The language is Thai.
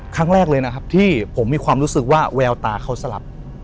ครั้งแรกเลยนะครับที่ผมมีความรู้สึกว่าแววตาเขาสลับ